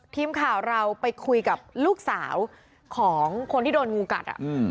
ทีมข่าวเราไปคุยกับลูกสาวของคนที่โดนงูกัด